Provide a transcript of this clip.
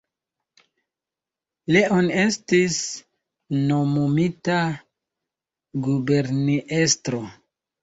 Leon estis nomumita guberniestro.